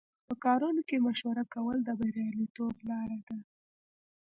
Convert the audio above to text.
په کارونو کې مشوره کول د بریالیتوب لاره ده.